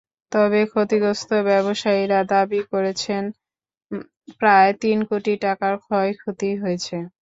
তবে ক্ষতিগ্রস্ত ব্যবসায়ীরা দাবি করেছেন প্রায় তিন কোটি টাকার ক্ষয়ক্ষতি হয়েছে।